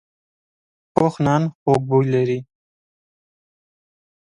پوخ نان خوږ بوی لري